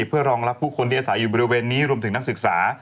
เพื่อรองรับผู้คนที่อาศัยอยู่บริเวณนี้รวมถึงนักศึกษา